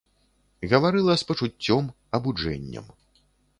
Гаварыла з пачуццём, абуджэннем.